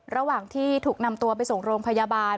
ระหว่างที่ถูกนำตัวไปส่งโรงพยาบาล